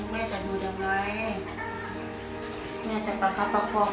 แม่จะประขาประภอง